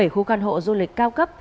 bảy khu căn hộ du lịch cao cấp